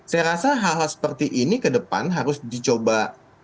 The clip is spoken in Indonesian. saya rasa hal hal seperti ini ke depan harus dicoba